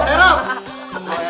tenang tenang pak